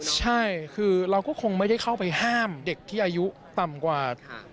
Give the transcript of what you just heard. ใช่คือเราก็คงไม่ได้เข้าไปห้ามเด็กที่อายุต่ำกว่า